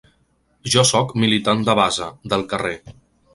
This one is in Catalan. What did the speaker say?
Jo sóc militant de base, del carrer.